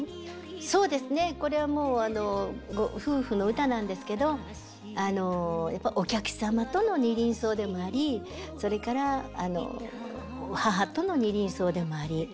そうですねこれはもうご夫婦の歌なんですけどあのやっぱお客様との「二輪草」でもありそれから母との「二輪草」でもあり。